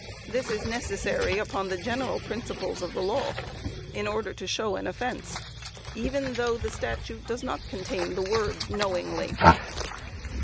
This is necessary upon the general principles of the law, in order to show an offence, even though the statute does not contain the word 'knowingly.'"